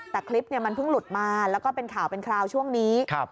แต่คลิปมันเพิ่งหลุดมาแล้วก็เป็นข่าวเป็นคราวช่วงนี้